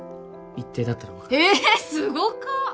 一定だったら分かるえすごか！